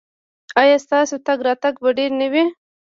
ایا ستاسو تګ راتګ به ډیر نه وي؟